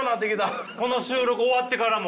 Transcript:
この収録終わってからも。